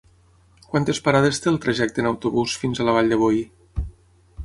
Quantes parades té el trajecte en autobús fins a la Vall de Boí?